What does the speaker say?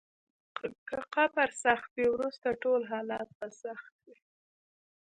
که قبر سخت وي، وروسته ټول حالات به سخت وي.